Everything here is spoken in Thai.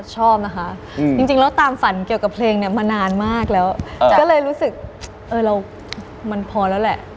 ชอบนะคะจริงแล้วตามฝันเกี่ยวกับเพลงเนี่ยมานานมากแล้วก็เลยรู้สึกเออเรามันพอแล้วแหละ